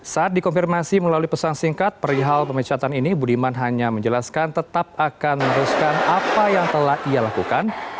saat dikonfirmasi melalui pesan singkat perihal pemecatan ini budiman hanya menjelaskan tetap akan meneruskan apa yang telah ia lakukan